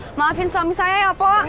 maafin suami saya ya pak